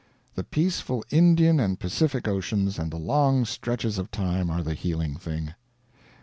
The peaceful Indian and Pacific Oceans and the long stretches of time are the healing thing.